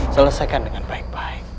selesaikan dengan baik baik